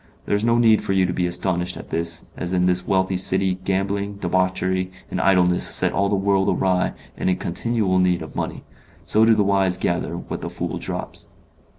There is no need for you to be astonished at that, as in this wealthy city gambling, debauchery, and idleness set all the world awry and in continual need of money; so do the wise gather what the fool drops.